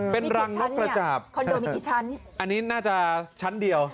เป็นรังนกกระจาบคอนโดมีกี่ชั้นอันนี้น่าจะชั้นเดียว